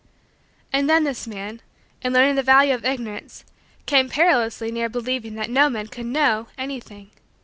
And then this man, in learning the value of Ignorance, came perilously near believing that no man could know anything.